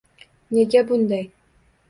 Nega bunday?